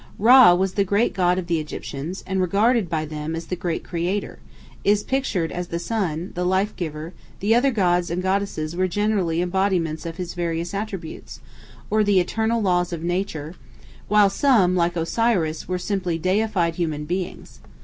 Rā was the great god of the Egyptians, and regarded by them as the great Creator, is pictured as the sun, the life giver; the other gods and goddesses were generally embodiments of his various attributes, or the eternal laws of nature; while some, like Osiris, were simply deified human beings.